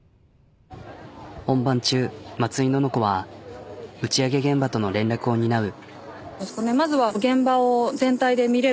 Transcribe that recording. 本番中井のの子は打ち上げ現場との連絡を担う。